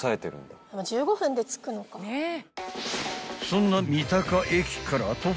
［そんな］